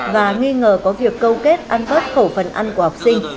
và nghi ngờ có việc câu kết ăn vấp khẩu phần ăn của học sinh